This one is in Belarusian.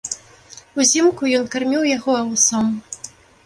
Узімку ён карміў яго аўсом.